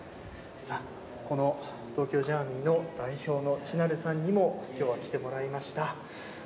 この東京ジャーミイの代表のチナルさんにもきょうは来てもらいました。